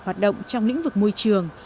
hoạt động trong lĩnh vực môi trường